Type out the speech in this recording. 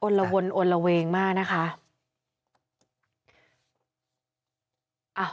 อ่อนละวนอ่อนละเวงมากนะคะ